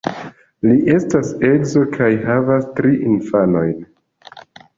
Li estas edzo kaj havas tri infanojn.